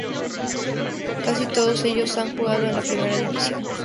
Casi todos ellos han jugado en la Primera División.